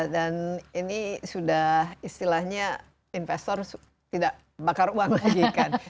dan ini sudah istilahnya investor tidak bakar uang lagi kan